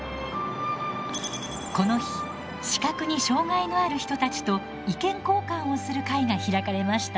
この日視覚に障がいのある人たちと意見交換をする会が開かれました。